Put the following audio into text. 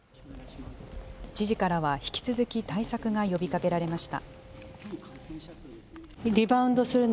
知事からは引き続き、対策が呼びかけられました。